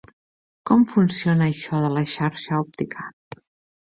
Com funciona això de la xarxa òptica?